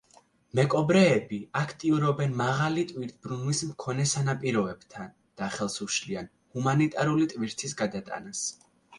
მეკობრეები აქტიურობენ მაღალი ტვირთბრუნვის მქონე სანაპიროებთან და ხელს უშლიან ჰუმანიტარული ტვირთის გადატანას.